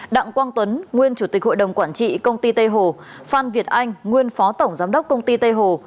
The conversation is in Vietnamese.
đặng quang tuấn nguyên chủ tịch hội đồng quản trị công ty tây hồ phan việt anh nguyên phó tổng giám đốc công ty tây hồ